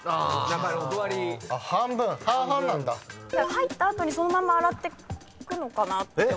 入った後にそのまま洗ってくのかなって。